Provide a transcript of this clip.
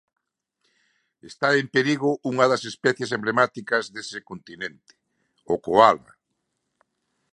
Está en perigo unha das especies emblemáticas dese continente, o coala.